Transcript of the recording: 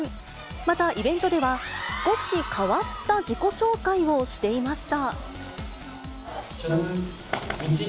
またイベントでは、少し変わった自己紹介をしていました。